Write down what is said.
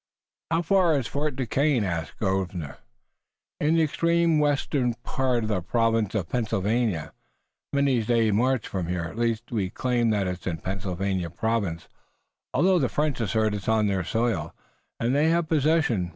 "How far is Fort Duquesne?" asked Grosvenor. "In the extreme western part of the province of Pennsylvania, many days' march from here. At least, we claim that it's in Pennsylvania province, although the French assert it's on their soil, and they have possession.